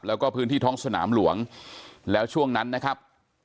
แล้วก็พื้นที่ท้องสนามหลวงแล้วช่วงนั้นนะครับ